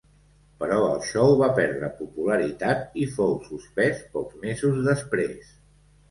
Però el show va perdre popularitat i fou suspès pocs mesos després.